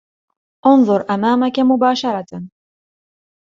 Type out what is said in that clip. انظر امامك مباشره.